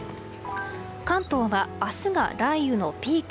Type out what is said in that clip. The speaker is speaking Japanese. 関東は明日が雷雨のピーク。